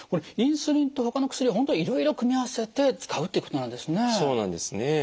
インスリンと他の薬を本当いろいろ組み合わせて使うってことなんですね。